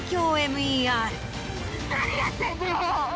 ・何やってんのよ！